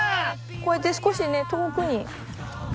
こうやって少し遠くに。